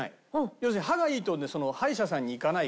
要するに歯がいいと歯医者さんに行かないから。